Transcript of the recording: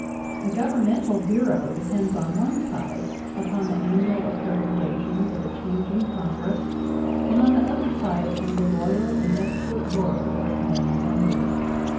A governmental bureau depends on one side upon the annual appropriations of a changing Congress, and on the other side upon the loyal and expert work of its many mem bers.